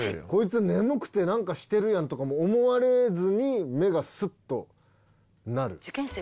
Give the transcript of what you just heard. こいつ眠くてなんかしてるやんとかも思われずに、目がすっとなる。